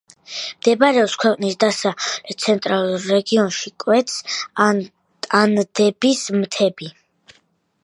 მდებარეობს ქვეყნის დასავლეთ-ცენტრალურ რეგიონში, კვეთს ანდების მთები.